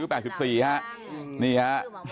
อายุ๘๔ฮะนี่ฮะ